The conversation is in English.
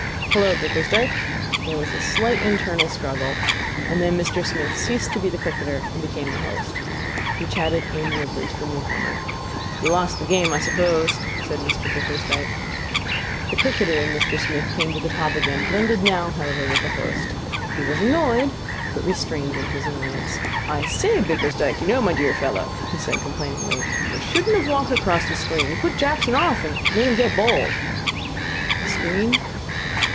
'Hullo, Bickersdyke.' There was a slight internal struggle, and then Mr Smith ceased to be the cricketer and became the host. He chatted amiably to the new comer. 'You lost the game, I suppose,' said Mr Bickersdyke. The cricketer in Mr Smith came to the top again, blended now, however, with the host. He was annoyed, but restrained in his annoyance. 'I say, Bickersdyke, you know, my dear fellow,' he said complainingly, 'you shouldn't have walked across the screen. You put Jackson off, and made him get bowled.' 'The screen?'